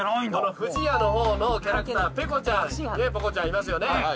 「不二家」の方のキャラクタ―ペコちゃんポコちゃんいますよね。